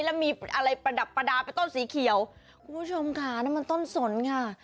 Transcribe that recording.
แล้วมีอะไรประดับประดาษเป็นต้นสีเขียวคุณผู้ชมค่ะน้ำมันต้นสนค่ะ